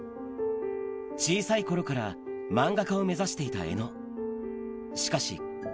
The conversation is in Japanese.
小さいころから漫画家を目指していた江野。